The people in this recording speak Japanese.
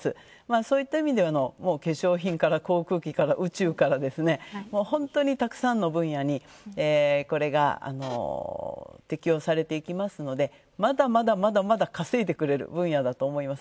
そういった意味で、化粧品から航空機から宇宙から本当にたくさんの分野にこれが適用されていきますのでまだまだ、まだまだ稼いでくれる分野だと思います。